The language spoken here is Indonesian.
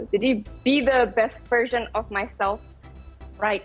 jadi menjadi versi terbaik diriku